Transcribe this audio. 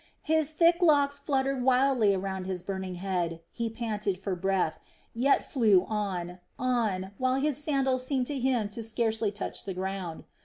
His thick locks fluttered wildly around his burning head, he panted for breath, yet flew on, on, while his sandals seemed to him to scarcely touch the ground.